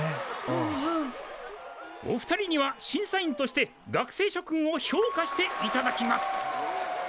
お二人には審査員として学生諸君を評価していただきます。